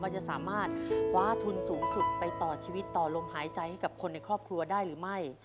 จะสามารถคว้าทุนสูงสุดไปต่อชีวิตต่อลมหายใจให้กับคนในครอบครัวได้หรือไม่